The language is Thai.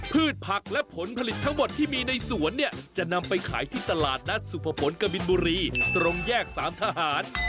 พืชผักและผลผลิตทั้งหมดที่มีในสวนเนี่ยจะนำไปขายที่ตลาดนัดสุภพลกบินบุรีตรงแยกสามทหาร